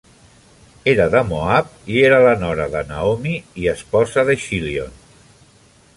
Era de Moab i era la nora de Naomi i esposa de Chilion.